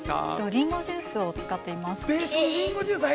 りんごジュースを使っています。